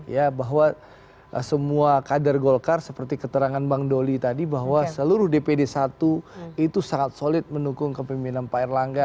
ya bahwa semua kader golkar seperti keterangan bang doli tadi bahwa seluruh dpd satu itu sangat solid mendukung kepemimpinan pak erlangga